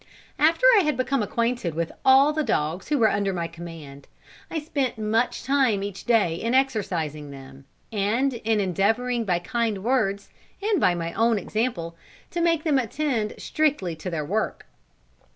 After I had become acquainted with all the dogs who were under my command, I spent much time each day in exercising them, and in endeavouring by kind words, and by my own example, to make them attend strictly to their work.